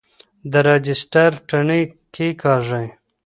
د رجسټر تڼۍ کیکاږئ.